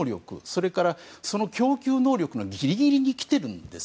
それから、その供給能力がギリギリに来ているんです。